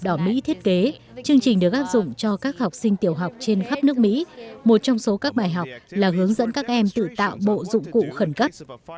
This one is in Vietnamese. được hội chữ thập đỏ mỹ thiết kế chương trình được áp dụng cho các học sinh tiểu học trên khắp nước mỹ một trong số các bài học là hướng dẫn các em tự tạo bộ dụng cụ khẩn cấp